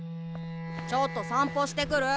ちょっと散歩してくる。